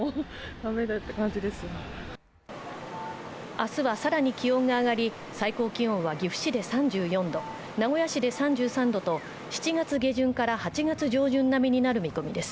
明日はさらに気温が上がり、最高気温は岐阜市で３４度名古屋市で３３度と７月下旬から８月上旬並みになる見込みです。